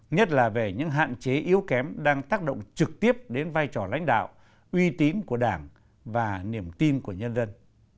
nhất là về những hạn chế yếu kém đang tác động trực tiếp đến vai trò lãnh đạo uy tín của đảng và niềm tin của nhân dân